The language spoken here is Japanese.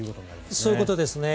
そういうことですね。